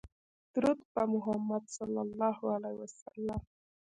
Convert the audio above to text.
درود په محمدﷺ